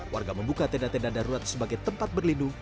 warga membuka tenda tenda darurat sebagai tempat berlindung